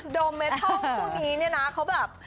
โดมเมเท่าพวกนี้